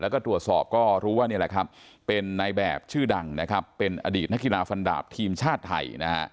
แล้วก็ตรวจสอบนะครับรู้ว่านี่แหละครับเป็นในแบบชื่อดังเป็นอดีตนคราฟันดาปทีมชาติไทย